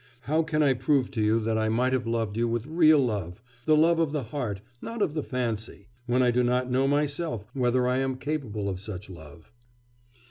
How can I prove to you that I might have loved you with real love the love of the heart, not of the fancy when I do not know myself whether I am capable of such love?